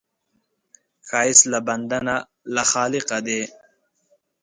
ښایست له بنده نه، له خالقه دی